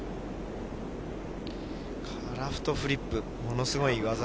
カラフトフリップ、ものすごい技。